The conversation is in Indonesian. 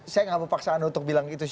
saya nggak memaksa anda untuk bilang